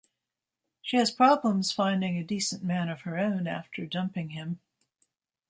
She has problems finding a decent man of her own after dumping him.